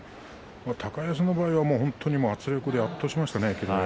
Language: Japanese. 高安の場合は圧力で圧倒しましたね